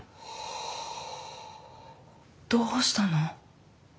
どうしたの？